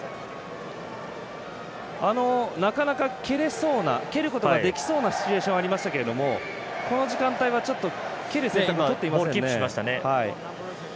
なかなか蹴ることができそうなシチュエーションがありましたがこの時間帯はちょっと蹴る選択をとっていませんね。